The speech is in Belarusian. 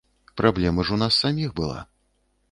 Праблема ж у нас саміх была.